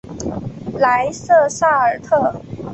莱瑟萨尔特。